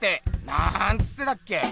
なんつってたっけ？